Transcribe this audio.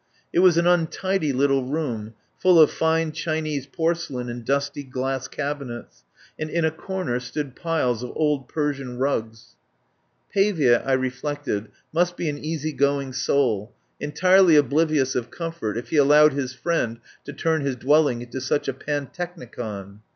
It was an untidy little room, full of fine Chinese porcelain in dusty glass cabinets, and in a corner stood piles of old Persian rugs. 4 6 I FIRST HEAR OF ANDREW LUMLEY Pavia, I reflected, must be an easy going soul, entirely oblivious of comfort, if he al lowed his friend to turn his dwelling into such a pantechnicon.